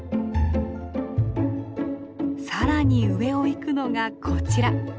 更に上を行くのがこちら。